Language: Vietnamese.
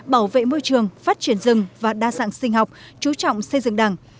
bảo vệ môi trường phát triển rừng và đa dạng sinh học chú trọng xây dựng đẳng